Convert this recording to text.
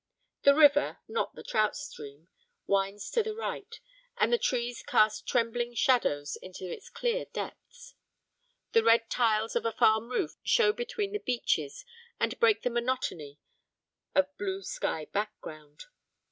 The river, not the trout stream, winds to the right, and the trees cast trembling shadows into its clear depths. The red tiles of a farm roof show between the beeches, and break the monotony of blue sky background.